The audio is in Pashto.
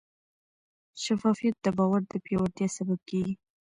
شفافیت د باور د پیاوړتیا سبب کېږي.